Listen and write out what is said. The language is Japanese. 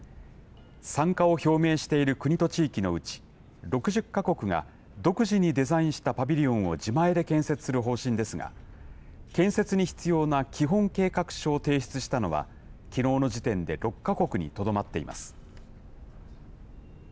参加を表明している国と地域のうち６０か国が独自にデザインしたパビリオンを自前で建設する方針ですが建設に必要な基本計画書を提出したのはきのうの時点で６か国にとどまっています。